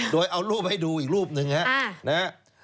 โดยเอารูปให้ดูอีกรูปหนึ่งนะครับ